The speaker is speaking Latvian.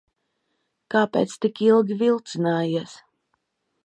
Kāpēc tik ilgi vilcinājies?